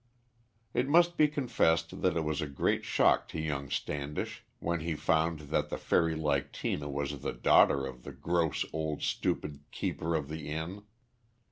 It must be confessed that it was a great shock to young Standish when he found that the fairy like Tina was the daughter of the gross old stupid keeper of the inn.